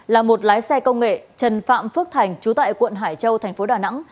là một lái xe công nghệ trần phạm phước thành chú tại quận hải châu tp đà nẵng